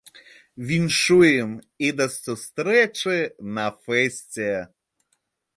Віншуем, і да сустрэчы на фэсце.